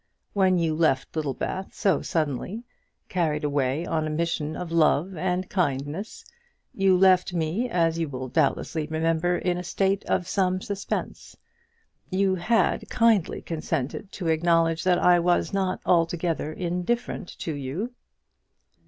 When you left Littlebath so suddenly, carried away on a mission of love and kindness, you left me, as you will doubtlessly remember, in a state of some suspense. You had kindly consented to acknowledge that I was not altogether indifferent to you.